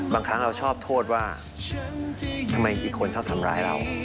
บางครั้งเราชอบโทษว่าทำไมอีกคนชอบทำร้ายเรา